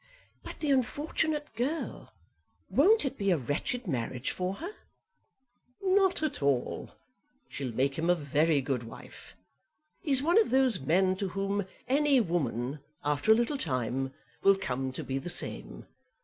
"But, the unfortunate girl! Won't it be a wretched marriage for her?" "Not at all. She'll make him a very good wife. He's one of those men to whom any woman, after a little time, will come to be the same.